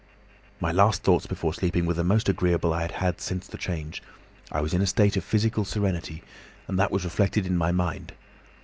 "My last thoughts before sleeping were the most agreeable I had had since the change. I was in a state of physical serenity, and that was reflected in my mind.